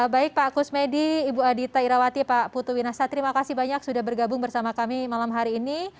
baik pak kusmedi ibu adita irawati pak putu winasa terima kasih banyak sudah bergabung bersama kami malam hari ini